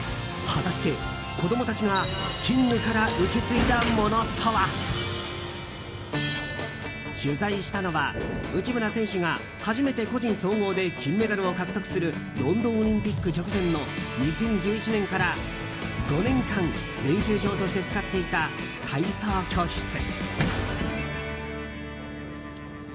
果たして、子供たちがキングから受け継いだものとは。取材したのは、内村選手が初めて個人総合で金メダルを獲得するロンドンオリンピック直前の２０１１年から５年間、練習場として使っていた体操教室。